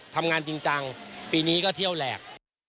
ทำงานจริงจังปีนี้ก็เที่ยวแหลก